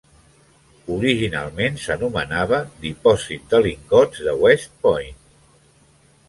Originalment s'anomenava Dipòsit de Lingots de West Point.